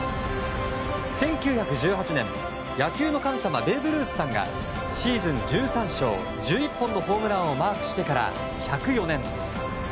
１９１８年、野球の神様ベーブ・ルースさんがシーズン１３勝１１本のホームランをマークしてから１０４年。